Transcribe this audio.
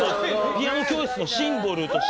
ピアノ教室のシンボルとして。